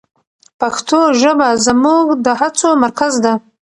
پښتو ژبه زموږ د هڅو مرکز ده.